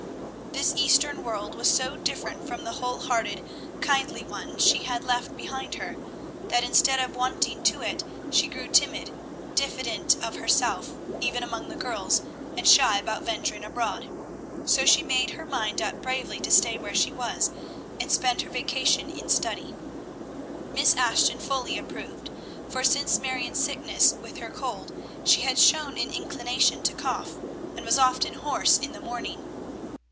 This Eastern world was so different from the whole hearted, kindly one she had left behind her, that instead of wonting to it, she grew timid, diffident of herself, even among the girls, and shy about venturing abroad. So she made her mind up bravely to stay where she was, and spend her vacation in study. Miss Ashton fully approved; for since Marion's sickness with her cold, she had shown an inclination to cough, and was often hoarse in the morning.